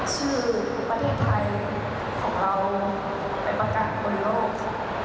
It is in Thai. ชื่อประเทศไทยของเราไปประกันบนโลก